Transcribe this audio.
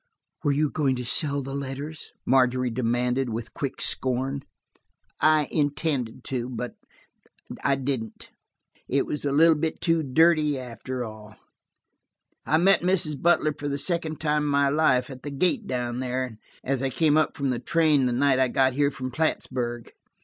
"Were you going to sell the letters?" Margery demanded, with quick scorn. "I intended to, but–I didn't. It was a little bit too dirty, after all. I met Mrs. Butler for the second time in my life, at the gate down there, as I came up from the train the night I got here from Plattsburg.